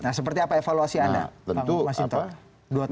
nah seperti apa evaluasi anda pak masyintol